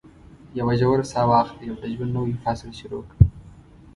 یوه ژوره ساه واخلئ او د ژوند نوی فصل شروع کړئ.